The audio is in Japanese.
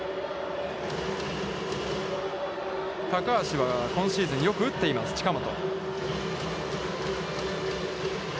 高橋は今シーズン、よく打っています、近本。